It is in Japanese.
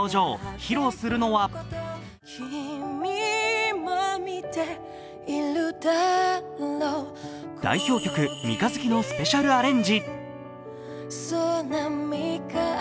披露するのは代表曲「三日月」のスペシャルアレンジ。